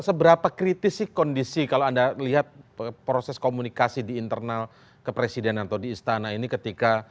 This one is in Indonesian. seberapa kritis sih kondisi kalau anda lihat proses komunikasi di internal kepresidenan atau di istana ini ketika